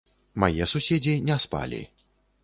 Мае суседзі не спалі.